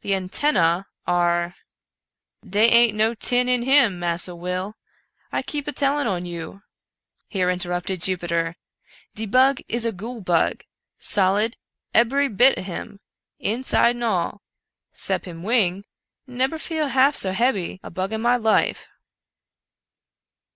The antennae are "" Dey ain't no tin in him, Massa Will, I keep a tellin' on you," here interrupted Jupiter ;" de bug is a goole bug, solid, ebery bit of him, inside and all, sep him wing — nebcr feel half so hebby a bug in my life."